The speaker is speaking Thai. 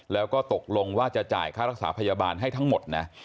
แล้วก็ตกลงว่าจะจ่ายค่ารักษาพยาบาลให้ทั้งหมดนะ